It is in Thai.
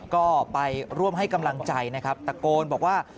ก็ไปร่วมให้กำลังใจนะครับตะโกนบอกว่า